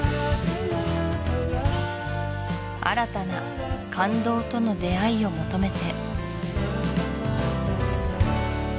新たな感動との出会いを求めて